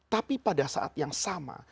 tapi pada saat yang sama